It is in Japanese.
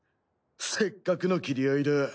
せっかくの斬り合いだ。